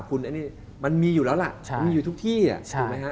คุณอันนี้มันมีอยู่แล้วล่ะมันมีอยู่ทุกที่ถูกไหมฮะ